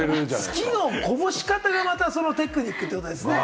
好きのこぼし方が、そのテクニックってことですね。